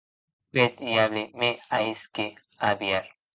Qu’eth diable me hesque a vier!